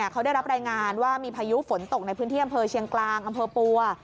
เขาได้รับรายงานว่ามีพายุฝนตกในพื้นที่อำเภอเชียงกลางอำเภอปัว